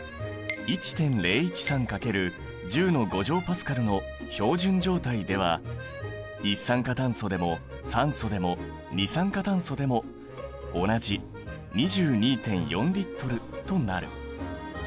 １．０１３×１０Ｐａの標準状態では一酸化炭素でも酸素でも二酸化炭素でも同じ２２．４Ｌとなる。